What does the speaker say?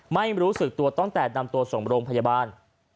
ไม่รู้สึกตัวตั้งแต่นำตัวส่งโรงพยาบาล